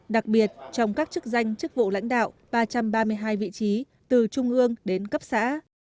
đặc biệt trong các chức danh chức vụ lãnh đạo ba trăm ba mươi hai vị trí từ trung ương đến cấp xã